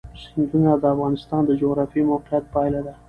سیندونه د افغانستان د جغرافیایي موقیعت پایله ده.